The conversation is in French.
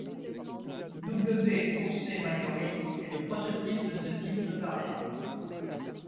W Ursae Majoris est le prototype de ce type de variable.